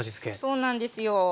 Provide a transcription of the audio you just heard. そうなんですよ。